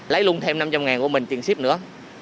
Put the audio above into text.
lấy luôn thêm năm trăm linh của mình tiền ship nữa